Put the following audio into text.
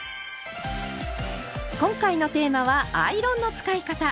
今回のテーマは「アイロンの使い方」。